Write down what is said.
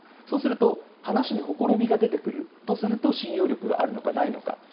そうすると、話にほころびが出てくるとすると信用力があるのかないのか。